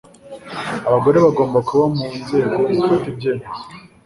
abagore bagomba kuba mu nzego zifata ibyemezo.